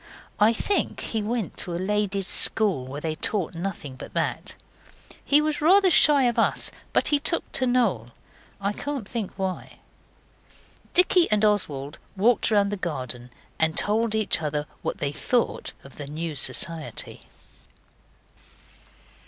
I think he went to a lady's school where they taught nothing but that. He was rather shy of us, but he took to Noel. I can't think why. Dicky and Oswald walked round the garden and told each other what they thought of the new society.